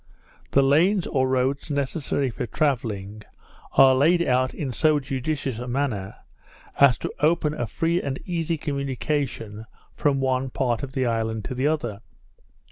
The lanes or roads necessary for travelling, are laid out in so judicious a manner, as to open a free and easy communication from one part of the island to the other.